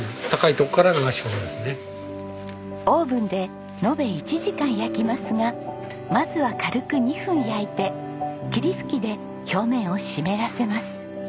オーブンで延べ１時間焼きますがまずは軽く２分焼いて霧吹きで表面を湿らせます。